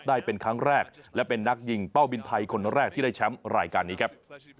ได้เป็นครั้งแรกและเป็นนักยิงเป้าบินไทยคนแรกที่ได้แชมป์รายการนี้ครับ